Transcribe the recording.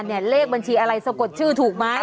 เลขบัญชีอะไรสะกดชื่อถูกไหม